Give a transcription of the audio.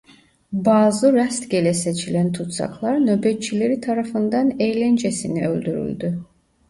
Bazı rastgele seçilen tutsaklar nöbetçileri tarafından "eğlencesine" öldürüldü.